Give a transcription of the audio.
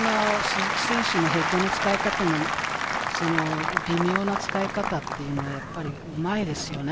鈴木選手のヘッドの使い方、微妙な使い方というのはやっぱりうまいですよね。